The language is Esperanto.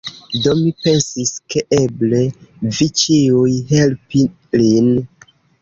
Do, mi pensis, ke eble vi ĉiuj helpi lin